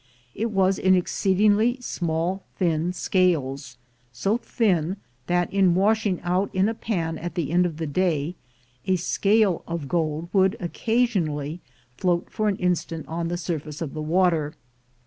It was in exceedingly small thin scales — so thin, that in washing out in a pan at the end of the day, a scale of gold would occasionally float for an instant on the surface of the water.